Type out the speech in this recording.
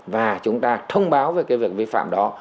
và chúng ta thông báo về cái việc vi phạm đó